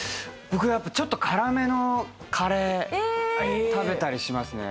僕ちょっと辛めのカレー食べたりしますね。